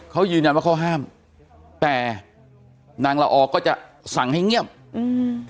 เขายืนยันว่าเขาห้ามแต่นางละออก็จะสั่งให้เงียบอืม